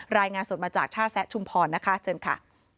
รายงานสดมาจากท่าแซะชุมพรนะคะเชิญค่ะ